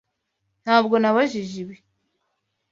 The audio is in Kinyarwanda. Ntabwo nabajije ibi.